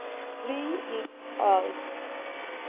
Frey "et al.